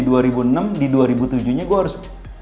di dua ribu tujuh nya gue harus